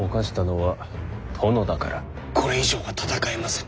これ以上は戦えませぬ。